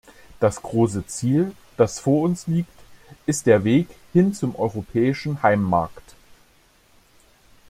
Das große Ziel, das vor uns liegt, ist der Weg hin zum europäischen Heimmarkt.